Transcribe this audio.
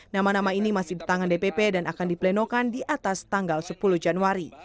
nama nama ini masih di tangan dpp dan akan diplenokan di atas tanggal sepuluh januari